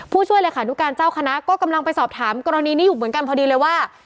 ผู้ช่วยเลขานุการเจ้าคณะก็กำลังไปสอบถามกรณีนี้อยู่เหมือนกันพอดีเลยว่า